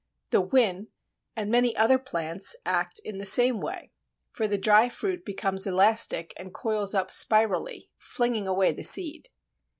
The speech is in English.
The Whin and many other plants act in the same way, for the dry fruit becomes elastic and coils up spirally, flinging away the seed.